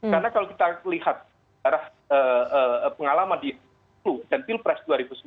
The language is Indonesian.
karena kalau kita lihat pengalaman di flu dan pilpres dua ribu sembilan belas